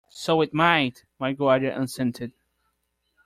"So it might," my guardian assented.